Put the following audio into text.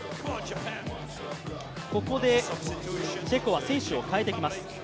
ここでチェコは選手を代えてきます。